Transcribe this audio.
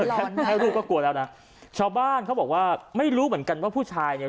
แค่ไม่ให้ลูกก็กลัวแล้วนะชาวบ้านเขาบอกว่าไม่รู้เหมือนกันว่าผู้ชายเนี่ย